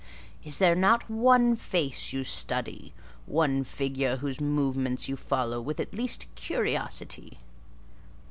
Is there not one face you study? one figure whose movements you follow with at least curiosity?"